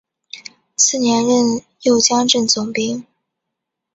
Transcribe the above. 次年任右江镇总兵。